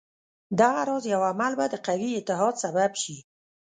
دغه راز یو عمل به د قوي اتحاد سبب شي.